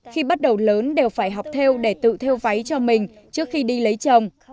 khi bắt đầu lớn đều phải học theo để tự theo váy cho mình trước khi đi lấy chồng